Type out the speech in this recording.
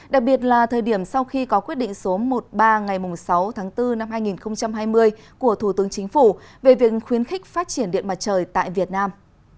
đặc biệt là thời điểm sau khi có quyết định số một mươi ba ngày sáu tháng bốn năm hai nghìn hai mươi của thủ tướng chính phủ về việc khuyến khích phát triển điện mặt trời tại việt nam